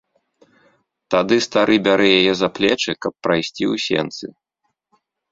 Тады стары бярэ яе за плечы, каб прайсці ў сенцы.